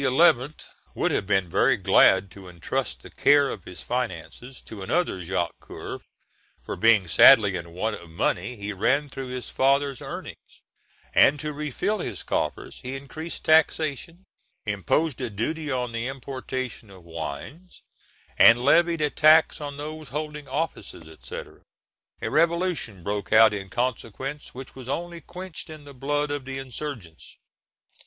would have been very glad to entrust the care of his finances to another Jacques Coeur; for being sadly in want of money, he ran through his father's earnings, and, to refill his coffers, he increased taxation, imposed a duty on the importation of wines, and levied a tax on those holding offices, &c. A revolution broke out in consequence, which was only quenched in the blood of the insurgents.